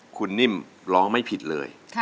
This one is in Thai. คุณนิ่มร้องไม่ผิดเลย